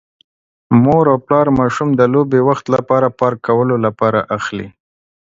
مور او پلار ماشوم د لوبې وخت لپاره پارک کولو لپاره اخلي.